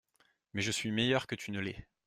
Mais je suis meilleure que tu ne l'es.